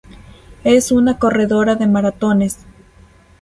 Es una corredora de maratones.